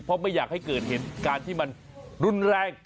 เพราะไม่อยากให้เกิดเหตุการณ์ที่มันรุนแรง